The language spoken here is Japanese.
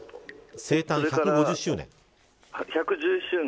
生誕１５０周年。